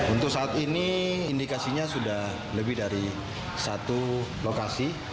untuk saat ini indikasinya sudah lebih dari satu lokasi